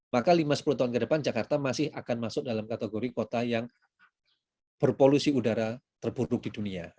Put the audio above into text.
maka lima sepuluh tahun ke depan jakarta masih akan masuk dalam kategori kota yang berpolusi udara terburuk di dunia